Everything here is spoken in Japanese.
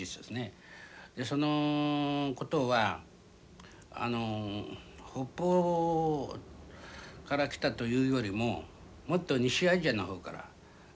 そのことはあの北方から来たというよりももっと西アジアの方から来てるわけですね。